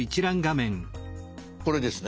これですね。